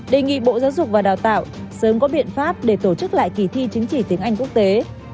đề nghị bộ giáo dục và đào tạo sớm có biện pháp để tổ chức lại kỳ thi chứng chỉ tiếng anh quốc tế